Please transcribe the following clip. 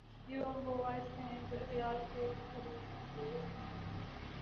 یہ وہ مباحث ہیں جو اغیار کے گھروں میں ہو رہے ہیں؟